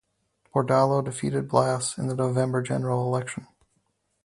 Bordallo defeated Blas in the November general election.